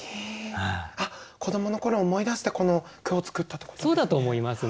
あっ子どもの頃を思い出してこの句を作ったってことですね。